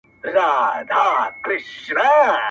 که پر سد که لېوني دي ټول په کاڼو سره ولي،